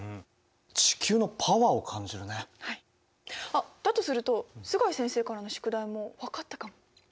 あっだとすると須貝先生からの宿題も分かったかも。